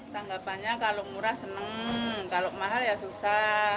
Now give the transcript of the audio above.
tanggapannya kalau murah seneng kalau mahal ya susah